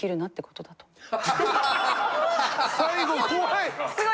最後怖い！